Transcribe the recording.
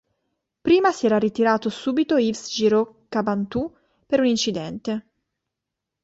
Prima si era ritirato subito Yves Giraud-Cabantous per un incidente.